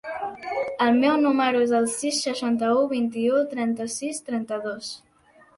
El meu número es el sis, seixanta-u, vint-i-u, trenta-sis, trenta-dos.